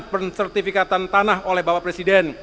pensertifikatan tanah oleh bapak presiden